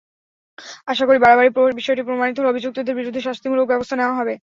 আশা করি, বাড়াবাড়ির বিষয়টি প্রমাণিত হলে অভিযুক্তদের বিরুদ্ধে শাস্তিমূলক ব্যবস্থা নেওয়া হবে।